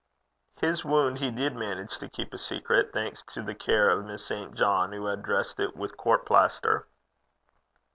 His wound he did manage to keep a secret, thanks to the care of Miss St. John, who had dressed it with court plaster.